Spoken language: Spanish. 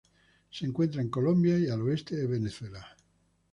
Se encuentra en Colombia y al oeste de Venezuela.